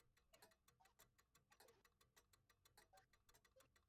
亦曾蒙市府评为艺术与人文特色学校。